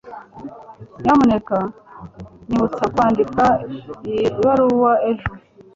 Nyamuneka nyibutsa kwandika ibaruwa ejo.